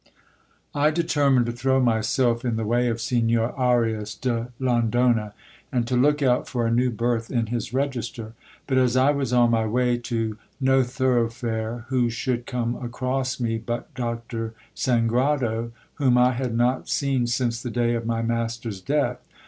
I determined to throw myself in the way of Signor Arias de Londona, and to look out for a new berth in his register ; but as I was on my way to No Thoroughfare, who should come across me but Doctor Sangrado, whom I had not seen since the day of my master's death.